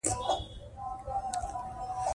افغانستان د بادام له امله شهرت لري.